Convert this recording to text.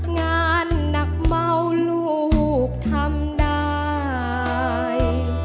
งานหนักเบาลูกทำได้